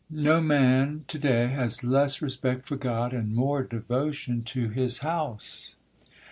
No man to day has less respect for God and more devotion to His house.